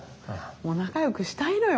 もう仲よくしたいのよ。